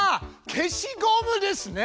消しゴムですね！